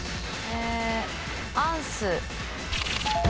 アンス。